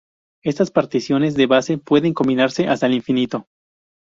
Estas particiones de base pueden combinarse hasta el infinito.